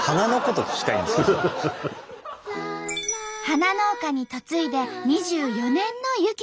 花農家に嫁いで２４年の友紀子さん。